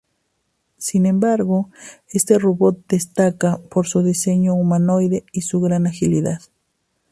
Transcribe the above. Sin embargo este robot destaca por su diseño humanoide y su gran agilidad.